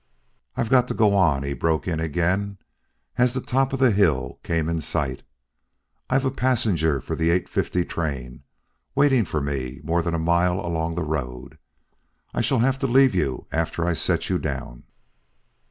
"I've got to go on," he broke in again as the top of the hill came in sight. "I've a passenger for the eight fifty train waiting for me more than a mile along the road. I shall have to leave you after I set you down."